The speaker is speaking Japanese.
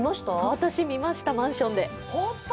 私、見ました、マンションで。